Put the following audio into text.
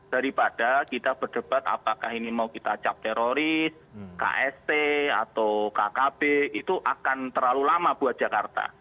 daripada kita berdebat apakah ini mau kita cap teroris kst atau kkb itu akan terlalu lama buat jakarta